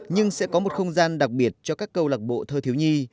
nhưng sẽ có một không gian đặc biệt cho các câu lạc bộ thơ thiếu nhi